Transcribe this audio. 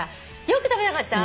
よく食べなかった？